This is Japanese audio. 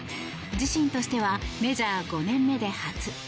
自身としてはメジャー５年目で初。